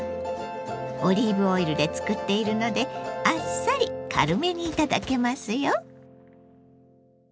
オリーブオイルで作っているのであっさり軽めに頂けますよ。